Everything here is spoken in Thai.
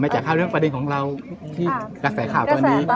จากข้าวเรื่องประเด็นของเราที่กระแสข่าวตอนนี้